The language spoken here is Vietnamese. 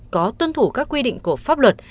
có tuân thủ các quy định của pháp luật